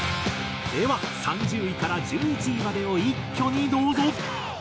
では３０位から１１位までを一挙にどうぞ。